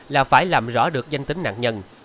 là phải làm rõ được danh tính nạn nhân